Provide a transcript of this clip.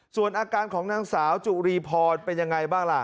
ส่วนอาการของนางสาวจุรีพรเป็นยังไงบ้างล่ะ